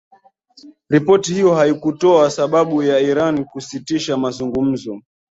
Ripoti hiyo haikutoa sababu ya Iran kusitisha mazungumzo